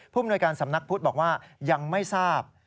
มนวยการสำนักพุทธบอกว่ายังไม่ทราบ